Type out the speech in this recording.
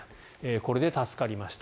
これで助かりました